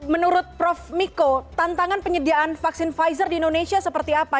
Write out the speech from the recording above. menurut prof miko tantangan penyediaan vaksin pfizer di indonesia seperti apa